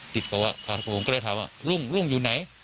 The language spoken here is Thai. ติดก็ว่าผมก็เลยถามว่ารุ้งรุ้งอยู่ไหน